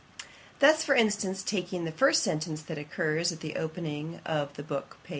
Thus, for instance, taking the first sentence that occurs at the opening of the book, p.